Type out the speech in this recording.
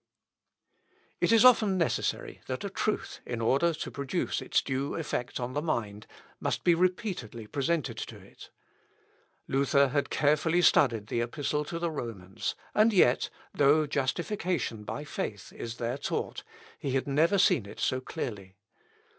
It is often necessary that a truth, in order to produce its due effect on the mind, must be repeatedly presented to it. Luther had carefully studied the Epistle to the Romans, and yet, though justification by faith is there taught, he had never seen it so clearly.